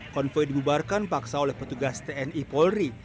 konvoy dibubarkan paksa oleh petugas tni polri